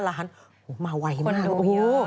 ๑๒๕ล้านมาไวมากโอ้โฮคนดูเยอะ